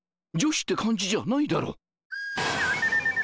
女子って感じじゃないだろ？